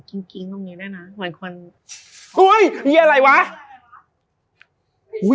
ขอนะครับวันนี้จะเสร็จแล้วค่ะ